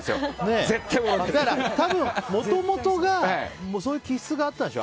多分、もともとそういう気質があったんでしょ。